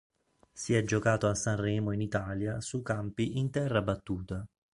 Si è giocato a Sanremo in Italia su campi in terra battuta.